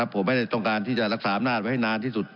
ผมไม่ได้ต้องการที่จะรักษาอำนาจไว้ให้นานที่สุด